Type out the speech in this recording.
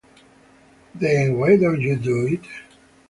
Then why don't you do it?